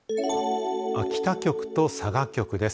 秋田局と佐賀局です。